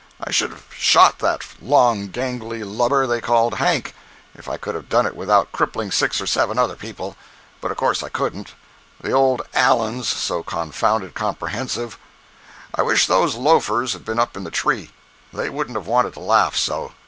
I should have shot that long gangly lubber they called Hank, if I could have done it without crippling six or seven other people—but of course I couldn't, the old 'Allen's' so confounded comprehensive. I wish those loafers had been up in the tree; they wouldn't have wanted to laugh so.